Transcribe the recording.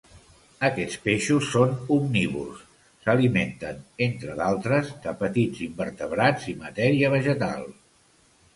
Aquests peixos són omnívors; s'alimenten entre d'altres de petits invertebrats i matèria vegetal.